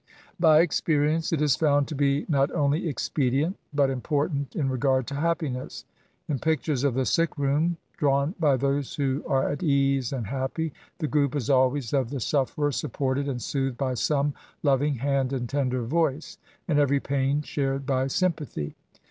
By experience it is found to be not only expedient, but important in regard to happiness. In pictures of the sick room, drawn by those who are at ease and happy, the group is always of the sufferer supported and soothed by some loving hand and tender voice, and every pain shared by sympathy.